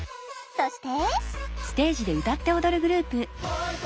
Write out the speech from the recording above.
そして。